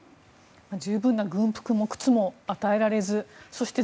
十分な軍服も靴も与えられずそして